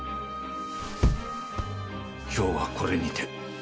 今日はこれにて。